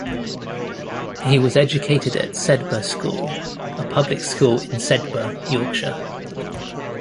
He was educated at Sedbergh School, a public school in Sedbergh, Yorkshire.